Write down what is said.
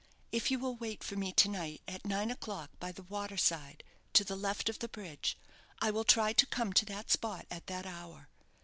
If you will wait for me to night, at nine o'clock, by the water side, to the left of the bridge, I will try to come to that spot at that hour.